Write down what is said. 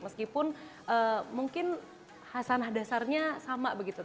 meskipun mungkin hasanah dasarnya sama begitu